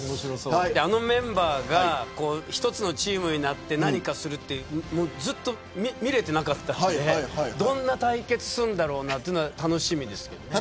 あのメンバーが一つのチームになって何かするというずっと見れていなかったのでどんな対決するんだろうというのが楽しみです。